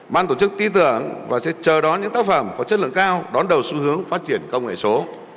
ban tổ chức tin tưởng và sẽ chờ đón những tác phẩm có chất lượng cao đón đầu xu hướng phát triển công nghệ số